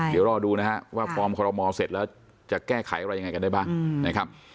เดี๋ยวรอดูว่าฟอร์มขอรมณ์หมอเสร็จแล้วจะแก้ไขอะไรยังไงกันได้บ้าง